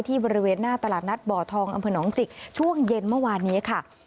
บริเวณหน้าตลาดนัดบ่อทองอำเภอหนองจิกช่วงเย็นเมื่อวานนี้ค่ะ